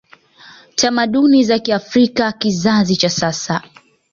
tamaduni za kiafrika Kizazi cha sasa